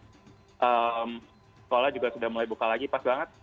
sekolah juga sudah mulai buka lagi pas banget